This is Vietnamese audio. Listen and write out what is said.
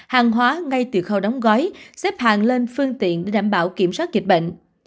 hàng hóa ngay từ khâu đóng gói xếp hàng lên phương tiện để đảm bảo kiểm soát dịch bệnh